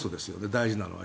大事なのは。